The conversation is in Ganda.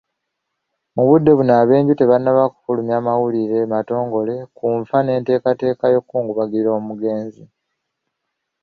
Mu budde buno ab'enju tebannaba kufulumya mawulire matongole ku nfa n'enteekateeka y'okukungubagira omugenzi.